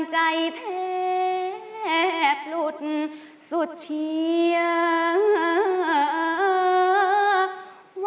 ใจแทบหลุดสุดเชีย